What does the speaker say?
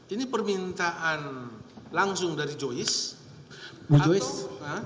ini permintaan langsung dari joyce